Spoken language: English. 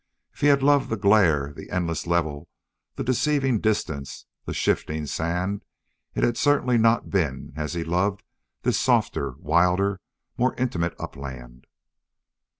If he had loved the glare, the endless level, the deceiving distance, the shifting sand, it had certainly not been as he loved this softer, wilder, more intimate upland.